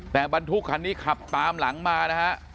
แต่บรรทุกคันนี้ขับตามหลังมานะฮะ